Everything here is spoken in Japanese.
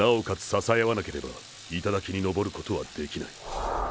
支えあわなければ頂にのぼることはできない。